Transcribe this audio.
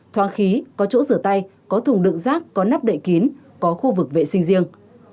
thoáng khí có chỗ rửa tay có thùng đựng rác có nắp đậy kín có khu vực vệ sinh riêng